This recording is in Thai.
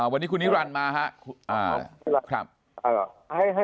วันนี้คุณนิรันดิ์มาครับ